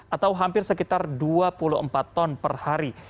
atau hampir sekitar dua puluh empat ton per hari